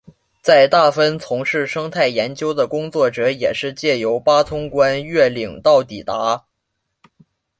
在大分从事生态研究的工作者也是藉由八通关越岭道抵达。